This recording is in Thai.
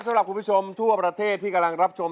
สำหรับคุณผู้ชมทั่วประเทศที่กำลังรับชม